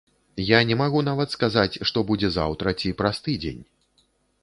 Я не магу нават сказаць, што будзе заўтра ці праз тыдзень.